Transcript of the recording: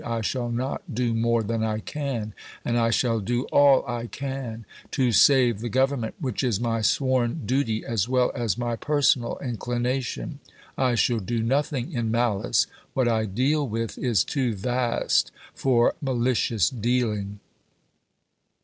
I shaU not do more than I can, and I shall do all I can to save the Govern ment, which is my sworn duty as well as my personal inclination. I shaU do nothing in malice. What I deal with is too vast for malicious dealing.